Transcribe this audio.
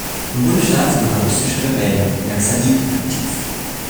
Im Bundesstaat sind maoistische Rebellen, die Naxaliten aktiv.